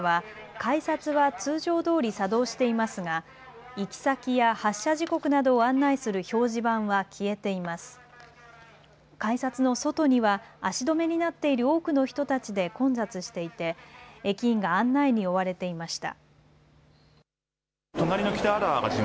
改札の外には足止めになっている多くの人たちで混雑していて駅員が案内に追われていました。